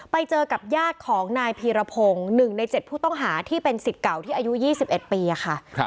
ไปเจอกับญาติของนายพีรพงศ์๑ใน๗ผู้ต้องหาที่เป็นสิทธิ์เก่าที่อายุ๒๑ปีค่ะ